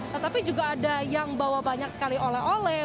tetapi juga ada yang bawa banyak sekali oleh oleh